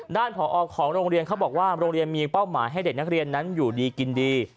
ผอของโรงเรียนเขาบอกว่าโรงเรียนมีเป้าหมายให้เด็กนักเรียนนั้นอยู่ดีกินดี